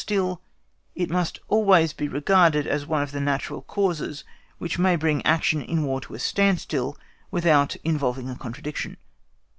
Still, it must always be regarded as one of the natural causes which may bring action in War to a standstill without involving a contradiction.